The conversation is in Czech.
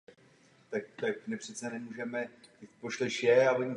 Musíme také být příkladem ve snižování emisí.